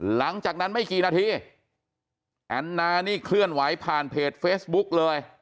หลังจากนั้นไม่กี่นาทีแอนนานี่เคลื่อนไหวผ่านเพจเฟซบุ๊กเลย